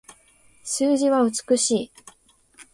数字は美しい